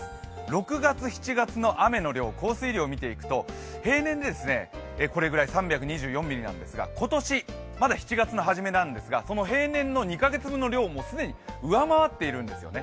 ６月、７月の雨の量、降水量を見ていくと、平年でこれぐらい、３２４ミリなんですが今年まだ７月の初めなんですが、その平年の２か月分の量を既に上回っているんですよね。